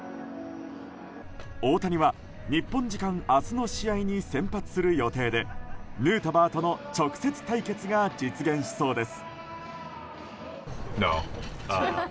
大谷は日本時間、明日の試合に先発する予定でヌートバーとの直接対決が実現しそうです。